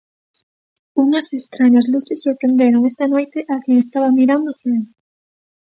Unhas estrañas luces sorprenderon esta noite a quen estaba mirando o ceo.